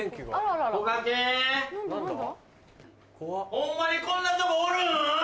ホンマにこんなとこおるん？